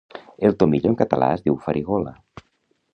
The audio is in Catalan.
El tomillo en català es diu farigola.